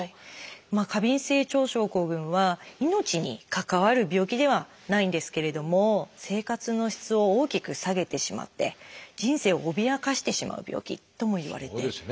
過敏性腸症候群は命に関わる病気ではないんですけれども生活の質を大きく下げてしまって人生を脅かしてしまう病気ともいわれています。